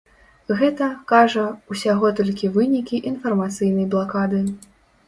Гэта, кажа, ўсяго толькі вынікі інфармацыйнай блакады.